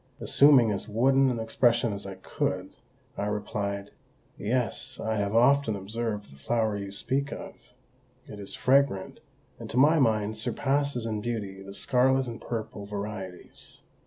Assuming as wooden an expression as I could, I replied, "Yes, I have often observed the flower you speak of; it is fragrant, and to my mind surpasses in beauty the scarlet and purple varieties.